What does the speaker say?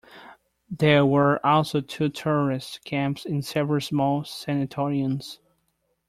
There were also two tourist camps and several small sanatoriums.